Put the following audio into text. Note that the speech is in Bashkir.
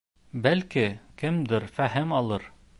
Бәлки, кемдер фәһем алыр.